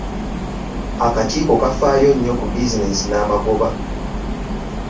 Akakiiko kafaayo nnyo ku bizinensi n'amagoba.